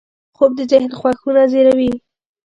خوب د ذهن خوښونه زېږوي